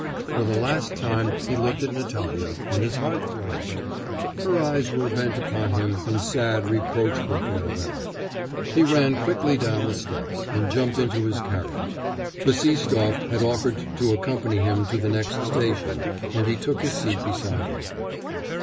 For the last time he looked at Natalya, and his heart throbbed; her eyes were bent upon him in sad, reproachful farewell. He ran quickly down the steps, and jumped into his carriage. Bassistoff had offered to accompany him to the next station, and he took his seat beside him.